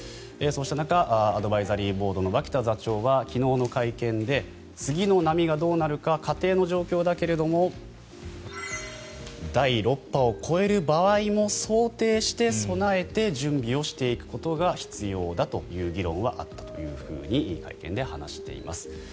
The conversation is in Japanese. そうした中アドバイザリーボードの脇田座長は昨日の会見で次の波がどうなるか仮定の状況だけれども第６波を超える場合も想定して備えて準備をしていくことが必要だという議論はあったと会見で話しています。